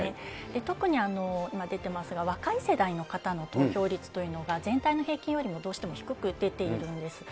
特に今、出てますが若い世代の方の投票率というのが全体の平均よりもどうしても低く出ているんです。